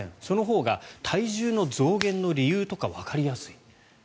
そのほうが体重の増減の理由とかわかりやすい。